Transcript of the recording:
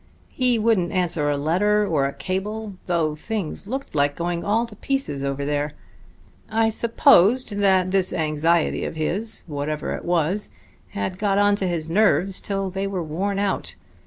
He wouldn't answer a letter or a cable, though things looked like going all to pieces over there. I supposed that this anxiety of his, whatever it was, had got onto his nerves till they were worn out.